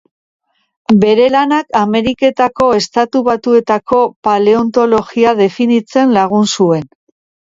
Bere lanak Ameriketako Estatu Batuetako paleontologia definitzen lagun zuen.